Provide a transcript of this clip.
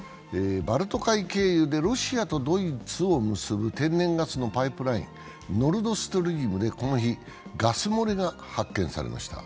バルト海経由でロシアとドイツを結ぶ天然ガスのパイプライン、ノルドストリームで、この日、ガス漏れが発見されました。